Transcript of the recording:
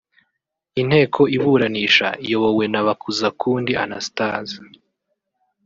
Inteko iburanisha iyobowe na Bakuzakundi Anastase